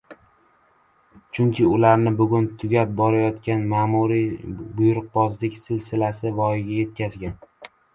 Chunki ularni bugun tugab borayotgan ma’muriy buyruqbozlik silsilasi voyaga yetkazgan.